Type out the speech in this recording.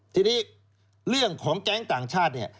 ทีนี้เรื่องของแก๊งต่างชาติเนี่ย